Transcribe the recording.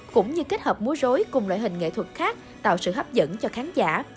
cũng như kết hợp múa rối cùng loại hình nghệ thuật khác tạo sự hấp dẫn cho khán giả